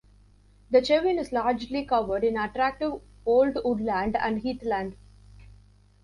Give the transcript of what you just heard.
The Chevin is largely covered in attractive old woodland and heathland.